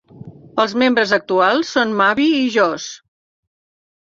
Els membres actuals són Mavie i Josh.